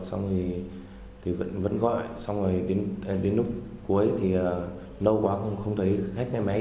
xong thì vẫn gọi xong rồi đến lúc cuối thì lâu quá không thấy khách ngay máy